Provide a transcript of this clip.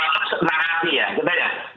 ya makanya kalau di wm